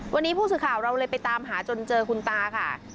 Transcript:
วันนี้ผู้สื่อข่าวเราเลยไปตามหาจนเจอคุณตาค่ะ